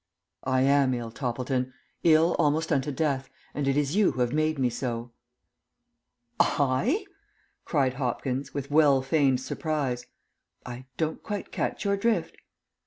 "I am ill, Toppleton; ill almost unto death, and it is you who have made me so." "I?" cried Hopkins, with well feigned surprise. "I don't quite catch your drift."